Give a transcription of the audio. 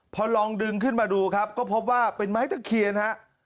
พอลองดึงขึ้นมาดูครับก็พบว่าเป็นไม้ตะเคียนฮะ